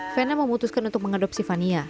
vena memutuskan untuk mengadopsi fania